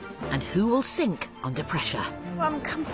完璧。